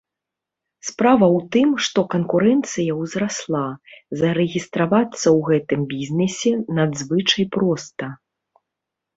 Справа ў тым, што канкурэнцыя ўзрасла, зарэгістравацца ў гэтым бізнэсе надзвычай проста.